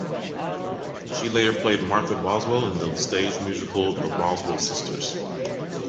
She later played Martha Boswell in the stage musical "The Boswell Sisters".